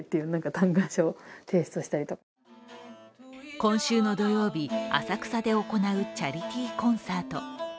今週の土曜日、浅草で行うチャリティーコンサート。